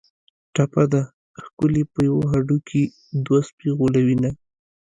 ټپه ده: ښکلي په یوه هډوکي دوه سپي غولوینه